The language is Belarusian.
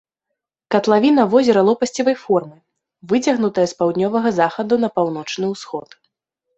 Катлавіна возера лопасцевай формы, выцягнутая з паўднёвага захаду на паўночны ўсход.